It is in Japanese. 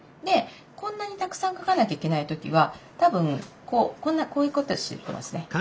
でこんなにたくさん書かなきゃいけない時は多分こうこんなこういうことしてますね。